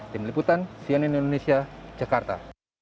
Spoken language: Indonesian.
tim liputan cnn indonesia jakarta